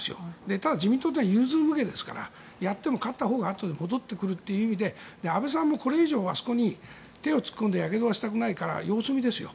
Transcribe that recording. ただ、自民党は融通無碍ですからやっても勝ったほうがあとに戻ってくるということで安倍さんもこれ以上あそこに手を突っ込んでやけどはしたくないから様子見ですよ。